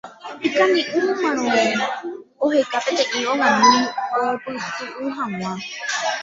Ikane'õmarõ oheka peteĩ ogami opytu'u hag̃ua.